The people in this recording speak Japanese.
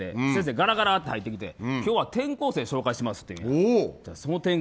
ガラガラって入ってきて今日は、転校生を紹介しますって。